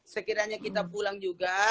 sekiranya kita pulang juga